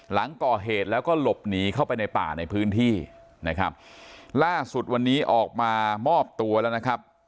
หลังก่อเหตุแล้วก็หลบหนีเข้าไปในป่าในพื้นที่นะครับล่าสุดวันนี้ออกมามอบตัวแล้วนะครับ